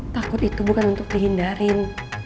takut itu bukan untuk dihindarin